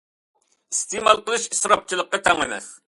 ئىستېمال قىلىش ئىسراپچىلىققا تەڭ ئەمەس.